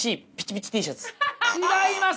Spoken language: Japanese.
違います